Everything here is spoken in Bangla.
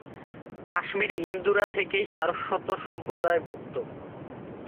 কাশ্মীরি হিন্দুরা থেকেই সারস্বত সম্প্রদায়ভুক্ত।